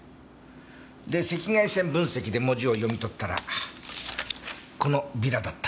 赤外線分析で文字を読み取ったらこのビラだった。